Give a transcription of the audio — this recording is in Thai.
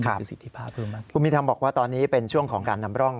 คือสิทธิภาพเพิ่มมากกว่าคุณมีทางบอกว่าตอนนี้เป็นช่วงของการดำร่อง